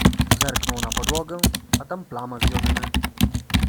Zerknął na podłogę, a tam plama z jodyny.